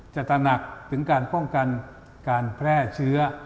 ตระหนักถึงการป้องกันการแพร่เชื้อ